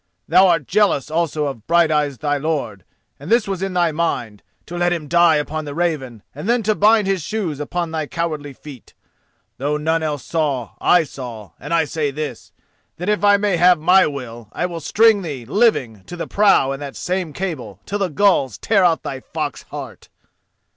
Thou art jealous also of Brighteyes thy lord, and this was in thy mind: to let him die upon the Raven and then to bind his shoes upon thy cowardly feet. Though none else saw, I saw; and I say this: that if I may have my will, I will string thee, living, to the prow in that same cable till gulls tear out thy fox heart!"